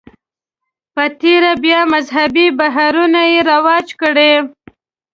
په تېره بیا مذهبي بهیرونو یې رواج کړي.